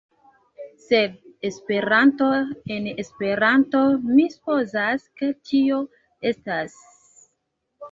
Sed Esperanto, en Esperanto mi supozas ke tio estas...